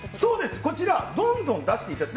こちら、どんどん出してくれる。